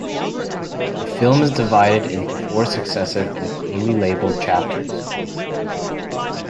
The film is divided into four successive and clearly labeled chapters.